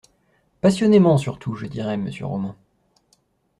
Passionnément surtout, je dirais, monsieur Roman.